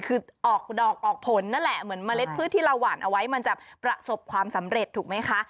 คือออกดอกออกผลนั่นแหละเหมือนเมล็ดพืชที่เราหวานเอาไว้มันจะประสบความสำเร็จถูกไหมคะ